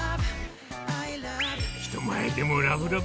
人前でもラブラブ。